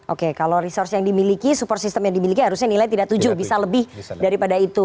oke kalau resource yang dimiliki support system yang dimiliki harusnya nilai tidak tujuh bisa lebih daripada itu